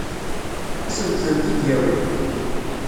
Ad sent-tent-id-yawi?